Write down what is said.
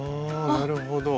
あなるほど。